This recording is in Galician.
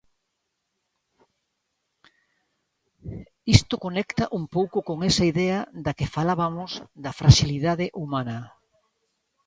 Isto conecta un pouco con esa idea da que falabamos da fraxilidade humana.